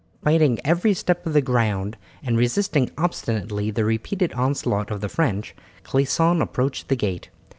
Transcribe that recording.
Fighting every step of the ground and resisting obstinately the repeated onslaught of the French, Clisson approached the gate.